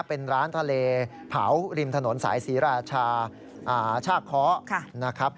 เป็นร้านทะเลเผาริมถนนสายสีราชาชากเคาะ